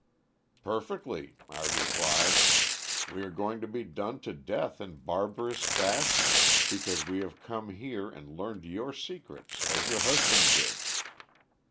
"'Perfectly,' I replied. 'We are going to be done to death in barbarous fashion, because we have come here and learned your secrets as your husband did.'